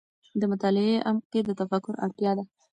د مطالعې عمق کې د تفکر اړتیا ده.